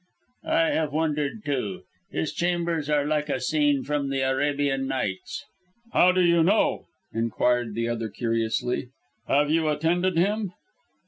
"I have wondered, too. His chambers are like a scene from the 'Arabian Nights.'" "How do you know?" inquired the other curiously. "Have you attended him?"